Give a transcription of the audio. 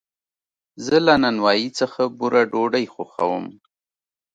زه له نانوایي څخه بوره ډوډۍ خوښوم.